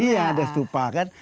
iya ada stupa kan